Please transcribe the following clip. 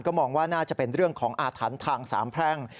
มองว่าน่าจะเป็นเรื่องของอาถรรพ์ทางสามแพร่ง